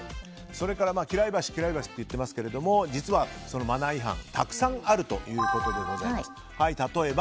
それから嫌い箸、嫌い箸と言っていますが実は、マナー違反たくさんあるということです。